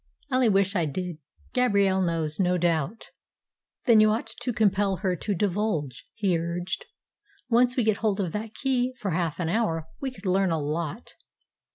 "I only wish I did. Gabrielle knows, no doubt." "Then you ought to compel her to divulge," he urged. "Once we get hold of that key for half an hour, we could learn a lot."